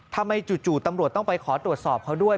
จู่ตำรวจต้องไปขอตรวจสอบเขาด้วย